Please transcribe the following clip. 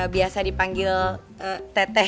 biasa dipanggil teteh